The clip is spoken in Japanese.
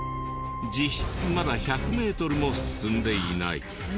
実質まだ１００メートルも進んでいない。